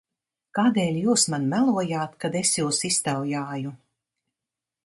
Kādēļ jūs man melojāt, kad es jūs iztaujāju?